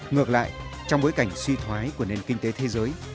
ngược lại trong bối cảnh suy thoái của nền kinh tế thế giới